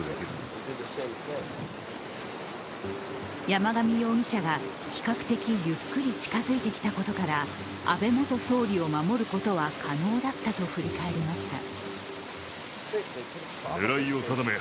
山上容疑者が比較的ゆっくり近づいてきたことから安倍元総理を守ることは可能だったと振り返りました。